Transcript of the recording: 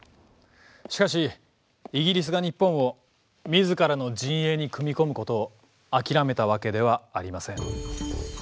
しかしイギリスが日本を自らの陣営に組み込むことを諦めたわけではありません。